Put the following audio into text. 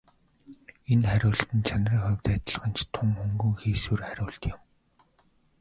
Энэ хоёр хариулт нь чанарын хувьд адилхан ч тун хөнгөн хийсвэр хариулт юм.